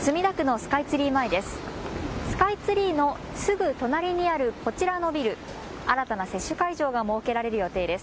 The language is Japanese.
スカイツリーのすぐ隣にあるこちらのビル、新たな接種会場が設けられる予定です。